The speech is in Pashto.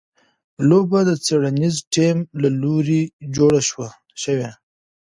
لوبه د څېړنیز ټیم له لوري جوړه شوې.